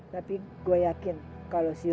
tapi gue yakin kalau ceo